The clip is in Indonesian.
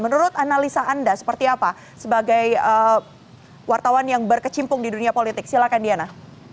menurut analisa anda seperti apa sebagai wartawan yang berkecimpung di dunia politik silakan diana